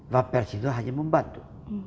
wapel situ hanya membantu